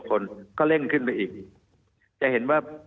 มีความรู้สึกว่ามีความรู้สึกว่า